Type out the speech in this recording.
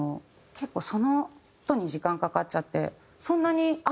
結構その事に時間かかっちゃって。